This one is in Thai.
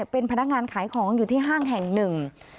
เป็นพนักงานขายของอยู่ที่ห้างแห่งหนึ่ง